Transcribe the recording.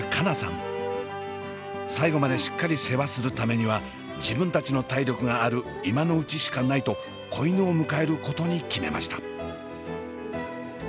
最後までしっかり世話するためには自分たちの体力がある今のうちしかないと子犬を迎えることに決めました。